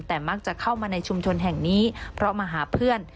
แต่มักจะเข้ามาในชุมชนแห่งนี้เพราะมาหาเพื่อน